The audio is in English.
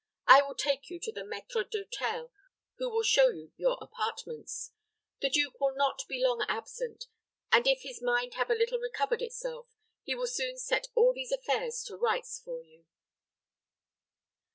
"I will take you to the maître d'hôtel, who will show you your apartments. The duke will not be long absent, and if his mind have a little recovered itself, he will soon set all these affairs to rights for you."